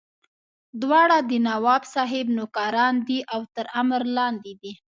دواړه د نواب صاحب نوکران دي او تر امر لاندې دي.